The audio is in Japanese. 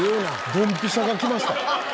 ドンピシャが来ましたね。